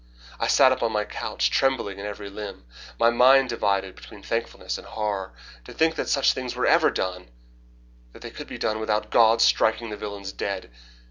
I sat up on my couch, trembling in every limb, my mind divided between thankfulness and horror. To think that such things were ever done that they could be done without God striking the villains dead.